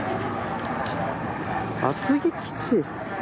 厚木基地